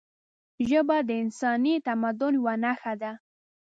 ژبه د انساني تمدن یوه نښه ده